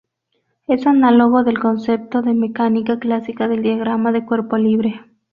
Es análogo al concepto de mecánica clásica del diagrama de cuerpo libre.